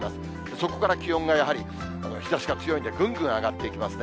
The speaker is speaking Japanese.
そこから気温がやはり、日ざしが強いんでぐんぐん上がっていきますね。